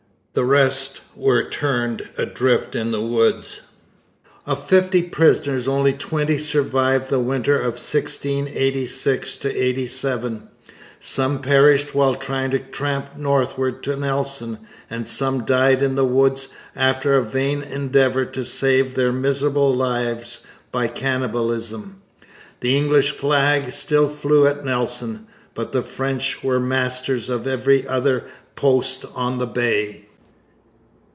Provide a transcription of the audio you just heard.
The rest were turned adrift in the woods. Of fifty prisoners, only twenty survived the winter of 1686 87. Some perished while trying to tramp northward to Nelson, and some died in the woods, after a vain endeavour to save their miserable lives by cannibalism. The English flag still flew at Nelson; but the French were masters of every other post on the Bay.